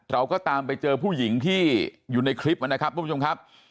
เราก็ตามไปเจอผู้หญิงที่อยู่ในคลิปนะครับทุกผู้ชมครับ